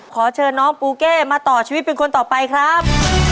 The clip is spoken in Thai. ขอเชิญน้องปูเก้มาต่อชีวิตเป็นคนต่อไปครับ